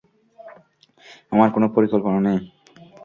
আমার কোন পরিকল্পনা নেই।